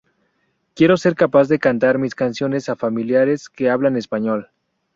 Quiero ser capaz de cantar mis canciones a mis familiares que hablan español".